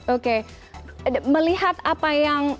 oke melihat apa yang